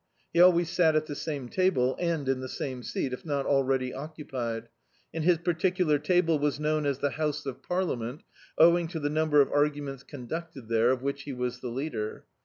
He always sat at the same table, and in the same seat, if not al ready occupied; and his particular table was known as the House of Parliament, owing to the number of arguments conducted there, of which he was the leader.